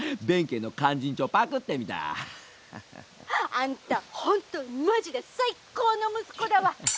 「あんた本当マジで最高の息子だわ！